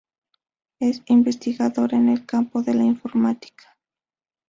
Es investigadora en el campo de la informática.